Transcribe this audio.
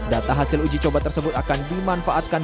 data hasil uji coba tersebut akan dimanfaatkan